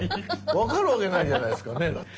分かるわけないじゃないっすかねだって。